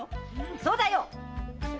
そうだよっ！